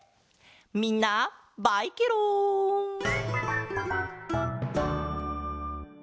みんなバイケロん！